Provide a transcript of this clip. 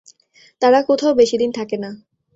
তারা কোথাও বেশিদিন থাকে না।